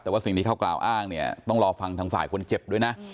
แต่ว่าสิ่งที่เขากล่าวอ้างเนี่ยต้องรอฟังทางฝ่ายคนเจ็บด้วยนะ